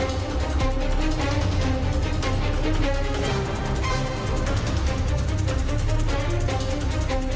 นี่ครับ